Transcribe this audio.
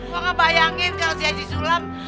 gua ngebayangin kalau si aji sulam